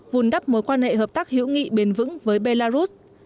vùn đắp mối quan hệ hợp tác hữu nghị bền vững với belarus